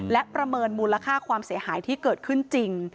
และประเมินมูลค่าความเสียหายที่เกิดขึ้นจริง